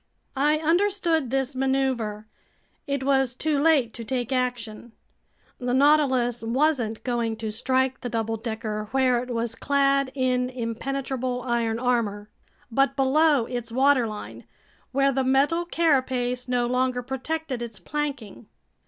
I understood this maneuver. It was too late to take action. The Nautilus wasn't going to strike the double decker where it was clad in impenetrable iron armor, but below its waterline, where the metal carapace no longer protected its planking.